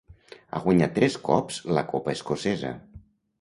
Ha guanyat tres cops la copa escocesa.